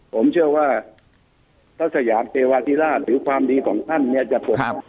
ผมไม่ได้หลายไปอะไรยาวนะครับ